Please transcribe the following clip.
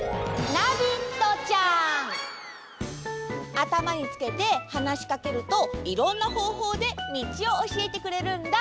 あたまにつけてはなしかけるといろんなほうほうでみちをおしえてくれるんだ。